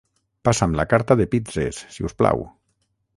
Passa'm la carta de pizzes, si us plau.